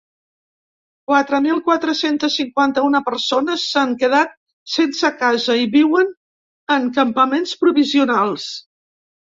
Quatre mil quatre-cents cinquanta-una persones s’han quedat sense casa i viuen en campaments provisionals.